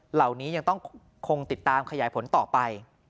เหล่านี้ยังต้องคงติดตามขยายผลต่อไป